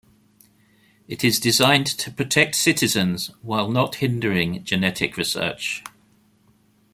It is designed to protect citizens while not hindering genetic research.